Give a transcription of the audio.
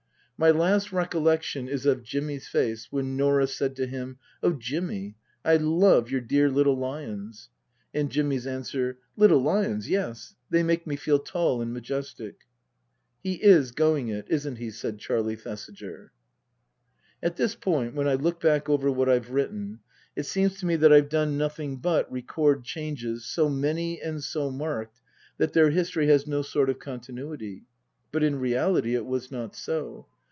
My last recollection is of Jimmy's face when Norah said to him, " Oh, Jimmy, I love your dear little lions !" and Jimmy's answer :" Little lions yes they make me feel tall and majestic." " He is going it, isn't he ?" said Charlie Thesiger. At this point, when I look back over what I've written, it seems to me that I've done nothing but record changes so many and so marked that their history has no sort of continuity. But in reality it was not so.